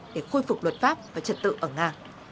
để khôi phục luật pháp và trật tự ở nga